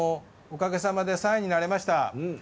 おかげさまで３位になれました。